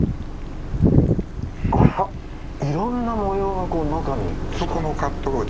あらいろんな模様が中に。